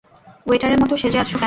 ওয়েটারের মতো সেজে আছো কেন?